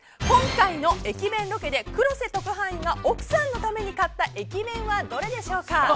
今回の駅弁ロケで黒瀬特派員が奥さんのために買った駅弁はどれでしょうか？